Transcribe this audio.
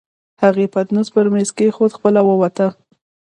هغې پتنوس پر مېز کېښود، خپله ووته.